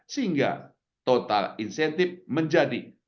sehingga total insentif menjadi